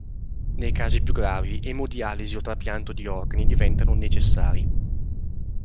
Nei casi più gravi emodialisi o trapianto di organi diventano necessari.